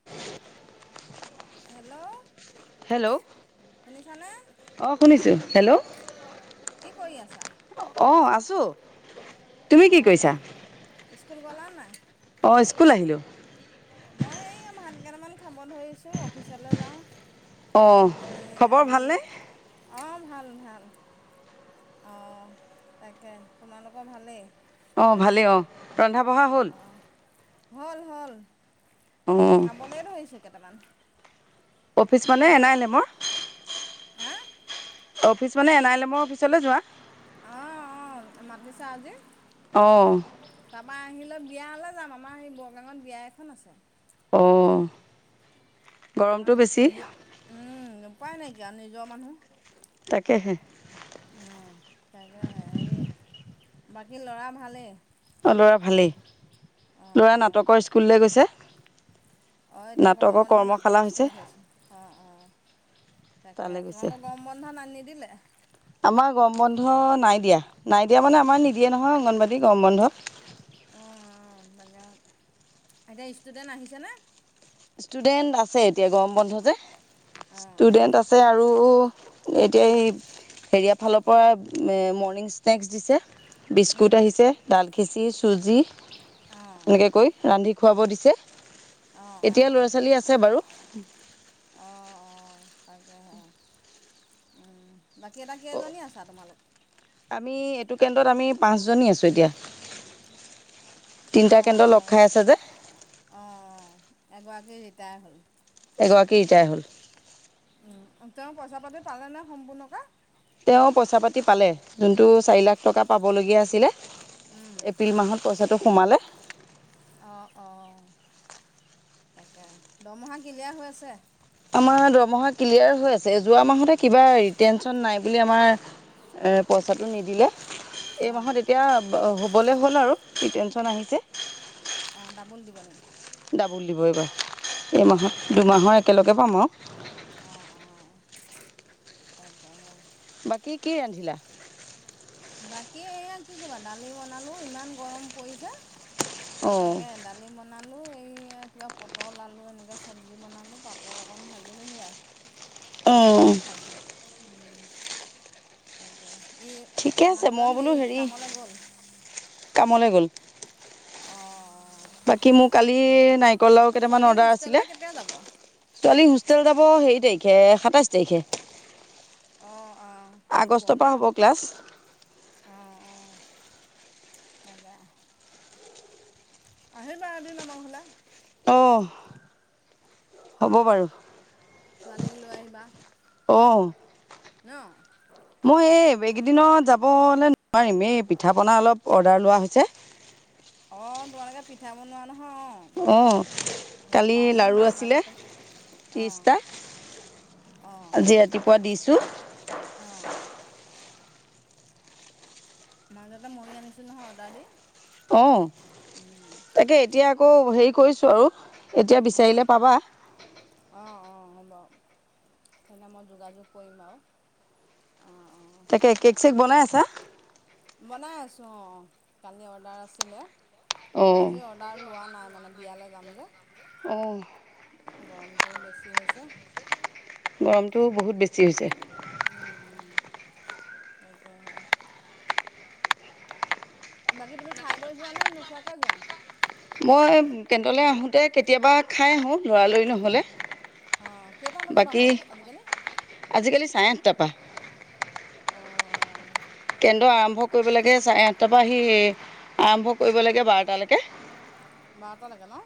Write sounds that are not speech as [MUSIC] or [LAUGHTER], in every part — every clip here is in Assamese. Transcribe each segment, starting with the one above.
[INAUDIBLE] হেল্ল। হেল্ল' শুনিছানে? অ' শুনিছোঁ হেল্ল' অঁ কি কৰি আছা? অঁ, আছোঁ। তুমি কি অঁ, কৰিছা? স্কুল গলা নে নাই? অঁ, স্কুল আহিলোঁ। মই এইয়া ভাত কেইটামান খাব ধৰিছোঁ, অফিচলৈ যাওঁ। অ' এই খবৰ আজি ভালনে? অঁ ভাল ভাল, অঁ তাকে তোমালোকৰ ভালেই। অঁ ভালেই, অঁ ৰন্ধা বঢ়া হ'ল। অঁ হ'ল হ'ল, অ' খাবলৈ ধৰিছোঁ কেইটামান। অফিচ মানে এন এইবিলাকৰ আৰ এল এমৰ। হা অফিচ মানে, এন আৰ এল এমৰ অফিচলৈ যোৱা। অ', অ', মাতিছে আজি। অ'। তাৰপা আহিলৈ বিয়ালৈ যাম, আমাৰ সেই বৰগাৱত বিয়া এখন আছে। অ'। আমাৰ গৰমটো যে বেছি। পেহী উম, উপায় নাইকিয়া আৰু নিজৰ মানুহ। তাকেহে। অ', তাকেহে। হেৰি বাকী ল'ৰা ভালেই? অ', ল'ৰা ভালেই। অঁ ল'ৰা অঁ নাটকৰ স্কুললৈ গৈছে। অ', এতিয়া গৰম নাটকৰ বন্ধ কৰ্মশালা নাটক হৈছে। স্কুল হৈ আছে। অ', অ', তাকে। তালৈ গৈছে। তোমালোকৰ গৰম বন্ধ না নিদিলে? আমাৰ গৰম বন্ধ নাই দিয়া। নাই দিয়া মানে, আমাৰ নিদিয়ে নহয়, অংগনবাড়ী গৰম বন্ধ। অ', অ', তাকে। এতিয়া ষ্টুডেণ্ট আহিছেনে? ষ্টুডেন্ট আছে, এতিয়া গৰম বন্ধ যে। অঁ ষ্টুডেন্ট আছে আৰু আৰু এতিয়া এই হেৰিয়াৰ ফালৰ পৰা মৰ্ণিং স্নেক্স দিছে। বিস্কুট উম আহিছে, ডাল খিচি চুজি অঁ এনেকৈাকৈ ৰান্ধি খুৱাব দিছে। অঁ এতিয়া অঁ ল'ৰা ছোৱালী আছে বাৰু। অ', অ', তাকেহে উম। বাকী এ, টা কেইজনী আছা তোমালোক? আমি এইটো কেন্দ্ৰত আমি পাঁচজনী আছোঁ এতিয়া। তিনিটা কেন্দ্ৰ লগ খাই আছে যে। অ', অ', অ'। এগৰাকী ৰিটায়াৰ হ'ল। এগৰাকী ৰিতাই হ'ল। তেওঁ পইচা পাতি পালে নে সম্পূৰ্ণকে? তেওঁ পইচা পাতি পালে। যোনটো চাৰি লাখ টকা পাবলগীয়া আছিলে উম এপ্ৰিল মাহত পইচাটো সোমালে। অ', অ', তাকে। দৰমহা কিলিয়াৰ হৈ আছে? আমাৰ দৰমহা ক্লিয়াৰ হৈ আছে, যোৱা মাহতে কিবা ৰিপেনচন নাই বুলি আমাৰ এ, পইচাটো নিদিলে। এই অঁ মাহত এতিয়া হ'বলে হ'ল আৰু কি টেনচন আহিছে। অ', ডাবল দিব নেকি? ডাবোল দিব এইবাৰ। অঁ এইমাহত দুমাহৰ একেলগে পাম আৰু। অ', অ'। তাকে হে। বাকী কি ৰান্ধিলা? বাকী এয়া কি ক'বা দালি বনালো, ইমান গৰম পৰিছে। অঁ তাকে দা দালি বনালোঁ, এই কিবা পটল আলু এনেকৈ চবজি বনালোঁ, পাপৰ অকণ ভাজিলোঁ সেয়াই। অঁ তেনেকে খাইছোঁ উম, তাকে ই ঠিকে মানুহজন সেই কামলৈ গ'ল? কামলে গ'ল। অ'। বাকী মোৰ কালি নাৰিকল লাও কেইটামান ছোৱালী অৰ্ডাৰ আছিলে। হোষ্টেললৈ কেতিয়া যাব ছোৱালী হোষ্টেল যাব হেৰি তাৰিখে সাতাইশ তাৰিখে। অ', অ', তেজপুৰত আগষ্টৰ পৰা হ'ব নহ! ক্লাছ অ', অ', তাকে। আহিবা এদিন আমাৰ ঘৰলে। অ', হ'ব বাৰু! ছোৱালীক লৈ আহিবা। অ'। ন। মই এই এইকেইদিনত যাবলৈ নোৱাৰিম, এই পিঠা পনা অলপ অৰ্ডাৰ লোৱা হৈছে। অ', তোমালোকে পিঠা বনোৱা নহয় অ'। অ', কালি লাৰু আছিলে মাজতে অঁ ত্ৰিছটা। আজি ৰাতিপুৱা দিছোঁ। অ'। মাজতে ময়ো আনিছোঁ নহয়, অৰ্ডাৰ দি। অ', তাকে এতিয়া আকৌ হেৰি কৰিছোঁ আৰু এতিয়া বিচাৰিলে পাবা! অ', অ', হ'ব। সেইদিনা মই যোগাযোগ কৰিম বাৰু! অ', অ'। তাকেহে কেক চেক বনাই আছা। বনাই আছোঁ অ', কালি অৰ্ডাৰ আছিলে। অঁ আজি অ অৰ্ডাৰ লোৱা নাই মানে, বিয়ালৈ যাম যে। অ', গৰমটোও বেছি হৈছে। গৰমটো বহুত বেছি হৈছে। উম্ উম্, তাকেহে। বাকী তুমি খাই বৈ যোৱানে, নোখোৱাকে যোৱা! মই কেন্তেলৈ আহোতে কেতিয়াবা খাই আহোঁ, লৰালৰি নহ'লে। অ', কেইটা বজাৰ পৰা বাকী হয় আজিকালি। আজিকালি চাৰে আঠটা পৰা। অ'অ'। কেন্তে আৰম্ভ কৰিব লাগে, চাৰে আঠটাৰ পৰা আহি আৰম্ভ কৰিব লাগে বাৰটালৈকে। বাৰটালৈকে ন!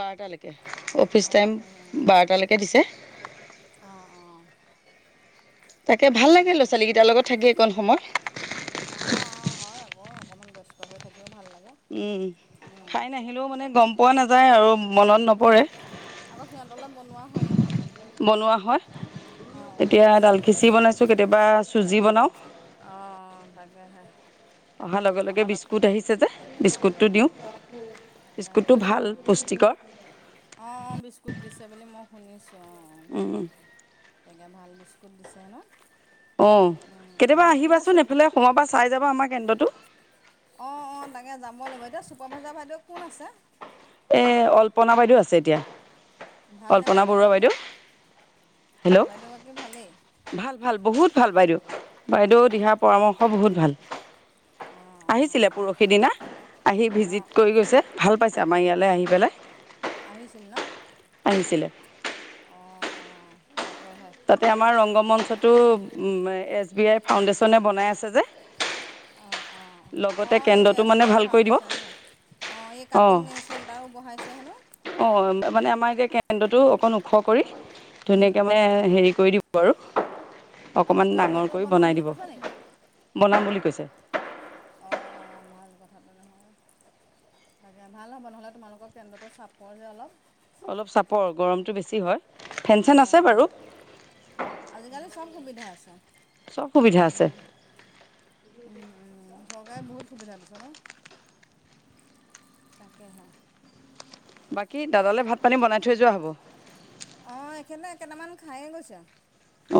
বাৰটালৈকে, অফিচ অঁ টাইম বাৰটালৈকে দিছে। অ', অ'। তাকে ভাল লাগিল, ল'ৰা-ছোৱালীকেইটাৰ লগত থাকি এইকণ সময়। অ', অ', হয় আকৌ, অকমান ব্যস্ত হৈ থাকিও ভাল লাগে। উম্, উম, খাই নাহিলেও মানে গম পোৱা নাযায় আৰু মনত নপৰে। আকৌ সিহঁতলৈ বনোৱা হয় নহয়। বনোৱা হয়। অঁ এতিয়া দাইলখিচিৰি বনাইছোঁ, কেতিয়াবা চুজি বনাওঁ। অ'অ', তাকেহে। অহাৰ লগে লগে হেল্ল' বিস্কুট আহিছে যে, বিস্কুটটো দিওঁ। অঁ বিস্কুটটো ভাল পুষ্টিকৰ। অ', বিস্কুট দিছে বুলি মই শুনিছোঁ। অ', তাকে ভাল বিস্কুট দিছেহেনো! অ', কেতিয়াবা আহিবাচোন। এইফালে সোমাবা, চাই যাব আমাৰ কেন্দ্ৰটো। অ', অ', তাকে যাব লাগিব, এতিয়া ছুপাৰভাইজাৰ বাইদেউ কোন আছে। এ অল্পনা বাইদেউ আছে এতিয়া। ভালনে কল্পনা বৰুৱা বাইদেউগৰাকী বাইদেউ। হেল্ল'। বাইদেউগৰাকী ভালেই ভাল ভাল বহুত ভাল বাইদেউ, বাইদেউ দিহা পৰামৰ্শ বহুত ভাল। অঁ আহিছিলে পৰহি দিনা আহি অঁ অঁ ভিজিট কৰি গৈছে ভাল পাইছে। আমাৰ ইয়ালৈ আহি পেলাই। আহিছিল ন! আহিছিলে। অ অ তাকেহে। তাতে আমাৰ ৰংগমঞ্চটো এছ বি আই ফাউণ্ডেশ্যনে বনাই আছে যে। অঁ অঁ লগতে অঁ এই কেন্দ্ৰটো এছ বি মানে আই ভাল কৰি দিব ফাউণ্ডেশ্যনে নহয় অঁ এই কাটিং নেচন। তাৰো বহাইছে হেনো। অ মানে আমাৰ যে কেন্দ্ৰতো অকন ওখ কৰি ধুনীয়াকে মানে। হেৰি কৰি দিব আৰু আৰু অকমান ডাঙৰ কেন্দ্ৰটো কৰি বনাম বনাই বুলি দিব। কৈছে নেকি বনাম বুলি কৈছে। অঁ ভাল কথা তেনেহলে। তাকে ভালহে তোমালোকৰ কেন্দ্ৰটো চাপৰ যে অলপ। অলপ চাপৰ গৰমটো বেছি হয় ফেন চেন আছে অঁ বাৰু। আজিকালি চব সুবিধা আছে চব সুবিধা আছে উম। উম উম চৰকাৰে বহুত সুবিধা দিছে ন! তাকে হয়। বাকী দাদালৈ ভাত পানী বনাই থৈ যোৱা হ'ব। অঁ এই এখেতে কেইটামান খায়েই গৈছে।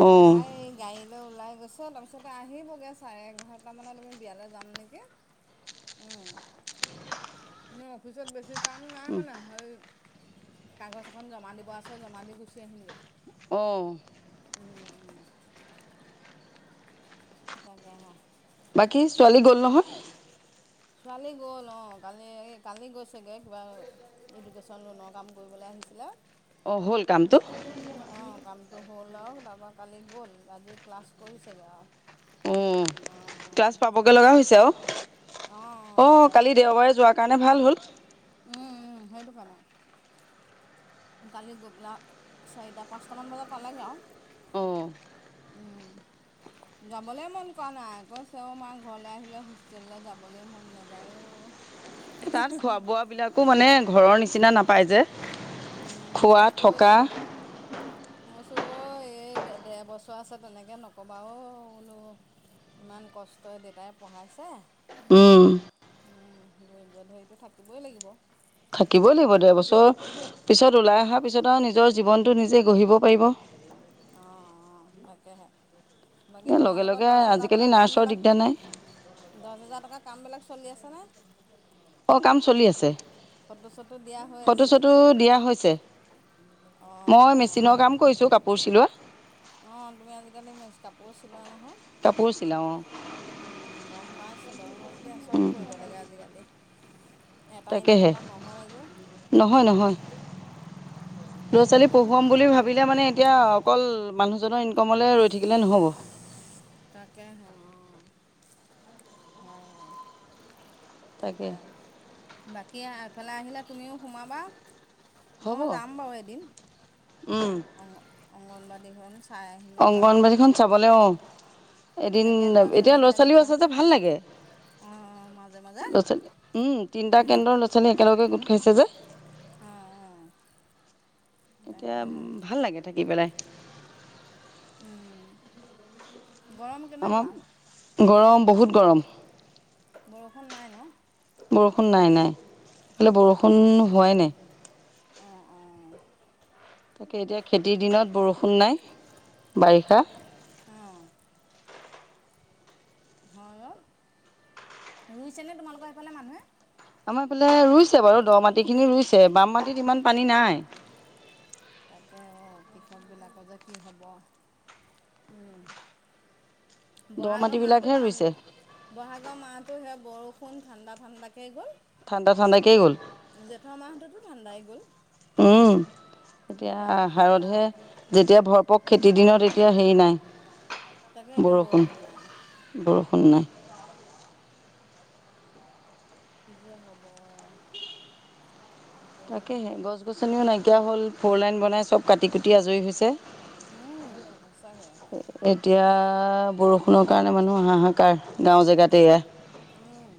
অঁ খাই এই গাড়ী লৈ ওলাই গৈছে তাৰপিছতে আহিবগৈ চাৰে এঘাৰটামানত আমি বিয়ালৈ যাম নেকি? উম, মোৰ অফিচত বেছি কাম নাই মানে হৈই। কাগজ এখন জমা দিব আছে জমা দি গুচি আহিমগে। অ' তাকে হে। বাকী ছোৱালী গ'ল নহয়? ছোৱালী গ'ল অ কালি এই কালি গৈছেগৈ কিবা। এডুকেশ্যন লোনৰ কাম কৰিবলৈ আহিছিলে। অ হ'ল কামটো। অঁ কামটো হ'ল আৰু তাৰপৰা কালি গ'ল আজি ক্লাছ কৰিছেগৈ আৰু। [INAUDIBLE] অঁ ক্লাছ পাবগৈ লগা হৈছে অঁ আৰু অ' হয় কালি দেওবাৰে যোৱাৰ কাৰণে ভাল হ'ল। উম উম সেইটো কাৰণে। কালি গৈ পেলা চাৰিটা পাঁচটামান বজাত পালেগৈ আৰু। অ' [UNINTELLIGIBLE] যাবলৈ মন কৰা নাই ঘৰ চেৱ মাৰ ঘৰলৈ আহিলে হোষ্টেললৈ যাবলৈ মন নাযায় অ'। তাত খোৱা বোৱা বিলাকো মানে ঘৰৰ নিচিনা নাপায় যে। উম খোৱা মই থকা গৈছো। মই কৈছোঁ ঐ এই ডেৰ বছৰ আছে তেনেকৈ নক'বা অ বোলো। ইমান কষ্টই দেউতাই পঢ়াইছে। উম। উম ধৈৰ্য্য ধৰিটো থাকিবই লাগিব। থাকিবই লাগিব। ডেৰবছৰ পিছত ওলাই অহাৰ পিছত আৰু নিজৰ জীৱনটো নিজে গঢ়িব পাৰিব। অ অ তাকেহে। বাকী লগে তোমালোকৰ লগে দহ হাজাৰ আজিকালি টকাৰ নাৰ্ছৰ কামবিলাক। দিগদাৰ নাই দহ হাজাৰ টকাৰ কামবিলাক চলি আছেনে? অ', কাম চলি আছে, ফটো চটো দিয়া হৈ ফটো আছে চটো দিয়া হৈছে। অঁ মই মেচিনৰ কাম কৰিছোঁ, কাপোৰ চিলোৱা। অ', তুমি আজিকালি কাপোৰো চিলোৱা নহয়, কাপোৰ চিলাওঁ গম পাইছ টো বাৰু হক দিয়া, চব অঁ কৰিব লাগে আজিকালি, এটা তাকেহে ইনকামত নহয় যে। নহয়, নহয়। ল'ৰা-ছোৱালী অঁ পঢ়ুৱাম বুলি ভাবিলে মানে এতিয়া অকল মানুহজনৰ ইন কমলে ৰৈ থাকিলে নহ'ব। তাকে হে অ', হয়, হয়। তাকে, বাকী এফালে আহিলে তুমিও সোমাবা। হ'ব মইও যাম বাৰু এদিন, উম অংগ অংগনবাদীখন চ অংগনবাদীখন চাবলে, অ', এদিন তাকে ল'ৰা এতিয়া ছোৱালীবিলাক ল'ৰা-ছোৱালীও এতিয়া আছে যে ভাল লাগে। অঁ মাজে মাজে ল'ৰা-ছোৱালী উম তিনটা কেন্দ্ৰৰ ল'ৰা-ছোৱালী একেলগে গোট খাইছে যে। অ', অ'। এতিয়া ভাল লাগে থাকি পেলাই। উম। গৰম কে আমাৰ গৰম বহুত গৰম। বৰষুণ নাই ন? বৰষুণ নাই নাই, ফালে বৰষুণ হোৱাই নাই। অ', অ'। তাকে এতিয়া খেতিৰ দিনত বৰষুণ নাই, বাৰিষা। অ' হয়, অ', ৰুইছেনে তোমালোকৰ সিফালে মানুহে? আমাৰফালে ৰুইছে বাৰু, দ মাটি খিনি ৰুইছে, বাম মাটিত ইমান পানী নাই। তাকে অ', কৃষকবিলাকৰ যে কি হ'ব, উম। দ বহাগৰ মাহটো মাটিবিলাকহে ঠান ৰুইছে ব'হাগৰ মাহটো সেয়া বৰষুণ, ঠাণ্ডা-ঠাণ্ডাকে ঠাণ্ডা ঠাণ্ডাকেই গ'ল। জেঠৰ মাহতোতো ঠাণ্ডাই গ'ল। উম, এতিয়া আহাৰতহে যেতিয়া ভৰপক, খেতিৰ দিনত এতিয়া হেৰি নাই, তাকে এতিয়া বৰষুণ। নাই বৰষুণ নাই। কি যে হ'ব। তাকেহে গছ গছনিও নাইকিয়া হ'ল, ফ'ৰ লাইন বনাই চব কাটি কুটি আজৰি হৈছে। উম, সঁচাকে। এতিয়া, বৰষুণৰ কাৰণে মানুহ হাহাকাৰ, গাঁও জেগাত এয়া উম।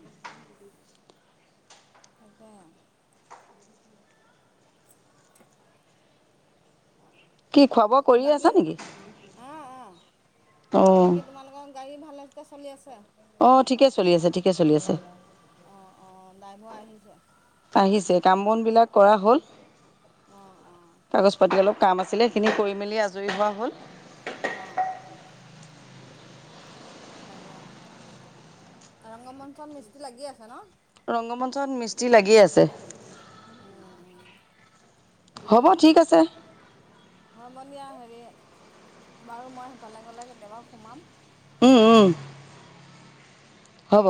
তাকে। কি খুৱাব অ', বাকী অ', অ', অঁ বাকী তোমালোকৰ গাড়ী ভালে [UNINTELLIGIBLE] চলি আছে। অ', ঠিকে চলি আছে, ঠিকে চলি আছে। অ', অ', ড্ৰাইভৰ আহিছে। আহিছে, কাম বন বিলাক কৰা হ'ল, অঁ অঁ কাগজ পাতি অলপ কাম আছিলে, সেইখিনি কৰি মেলি আজৰি হোৱা হ'ল। অ' তাকে ৰংগমঞ্চত মিস্ত্ৰী লাগি আছে ন? ৰংগমঞ্চত মিস্ত্ৰী লাগিয়ে আছে। উম উম হ'ব তাকে। ঠিক আছে হ'ব দিয়া। হেৰি বাৰু মই সেইফালে গ'লে কেতিয়াবা সোমাম। উম উম হ'ব।